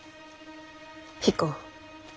彦。